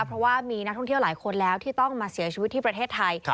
เพราะว่ามีนักท่องเที่ยวหลายคนแล้วที่ต้องมาเสียชีวิตที่ประเทศไทย